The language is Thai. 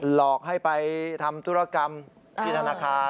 หลอกให้ไปทำธุรกรรมที่ธนาคาร